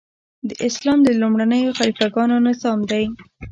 د اسلام د لومړنیو خلیفه ګانو نظام دی.